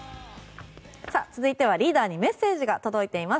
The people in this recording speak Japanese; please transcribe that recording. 続いては、リーダーにメッセージが届いています。